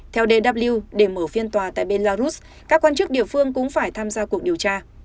theo dw để mở phiên tòa tại belarus các quan chức địa phương cũng phải tham gia cuộc điều tra